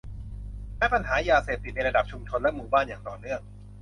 และปัญหายาเสพติดในระดับชุมชนและหมู่บ้านอย่างต่อเนื่อง